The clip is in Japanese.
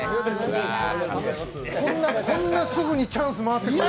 こんなすぐにチャンス回ってくる。